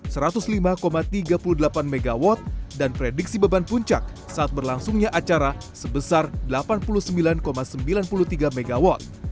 ketika di labuan bajo diabakan penyelidikan yang berlangsung sekitar tiga puluh delapan mw dan prediksi beban puncak saat berlangsungnya acara sebesar delapan puluh sembilan sembilan puluh tiga mw